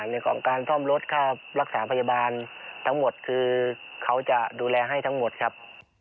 เรื่องของการซ่อมรถค่ารักษาพยาบาลทั้งหมดคือเขาจะดูแลให้ทั้งหมดครับ